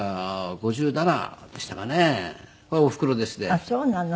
あっそうなの。